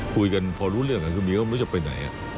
คุยกันพอรู้เรื่องคือเมียก็ไม่รู้จะไปไหน